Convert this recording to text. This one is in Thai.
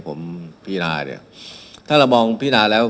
ผมพินาเนี่ยถ้าเรามองพินาแล้ว